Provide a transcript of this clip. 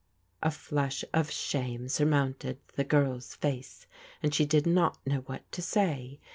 A flush of shame surmounted the girl's face, and she did not know what to say.